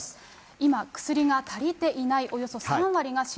今、薬が足りていない、およ